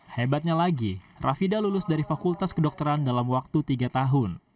hebatnya lagi rafida lulus dari fakultas kedokteran dalam waktu tiga tahun